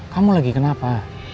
kamu lagi kenapa